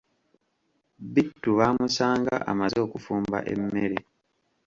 Bittu baamusanga amaze okufumba emmere.